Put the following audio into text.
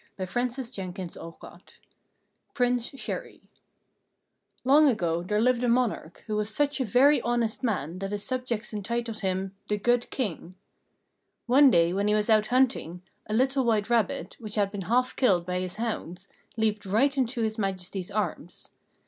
Charles Perrault PRINCE CHÉRI Long ago there lived a monarch, who was such a very honest man that his subjects entitled him "the Good King." One day when he was out hunting, a little white rabbit, which had been half killed by his hounds, leaped right into His Majesty's arms.